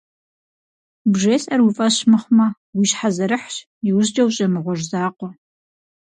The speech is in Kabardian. БжесӀэр уи фӀэщ мыхъумэ, уи щхьэ зэрыхьщ, иужькӀэ ущӀемыгъуэж закъуэ.